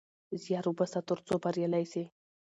زيار وباسه ترڅو بريالی سې